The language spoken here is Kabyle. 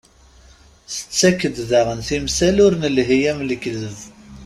Tettak-d daɣen timsal ur nelhi am lekteb.